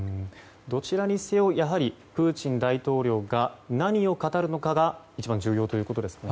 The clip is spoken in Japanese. どちらにせよプーチン大統領が何を語るのかが一番重要ということですね。